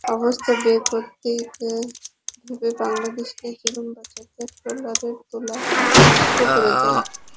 অবস্থা বেগতিক ভেবে বাংলাদেশিরা জীবন বাঁচাতে ট্রলারের তলা ফুটো করে দেন।